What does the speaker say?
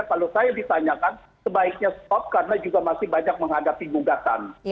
kalau saya ditanyakan sebaiknya stop karena juga masih banyak menghadapi gugatan